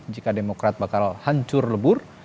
jika demokrat bakal hancur lebur